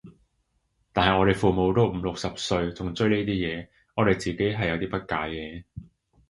但係我哋父母都五六十歲仲追呢啲嘢，我自己係有啲不解嘅